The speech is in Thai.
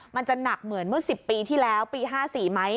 มันจะหนักเหมือนเมื่อ๑๐ปีที่แล้วปี๕๔ไหม